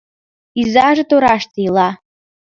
Изаже тораште ила.